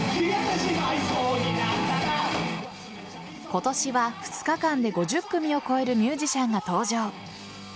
今年は２日間で５０組を超えるミュージシャンが登場。